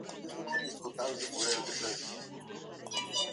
Nació en el hospital Maternidad Sardá en Buenos Aires.